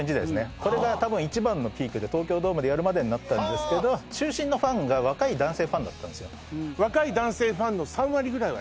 それが多分一番のピークで東京ドームでやるまでになったんですけど中心のファンが若い男性ファンだったんですよ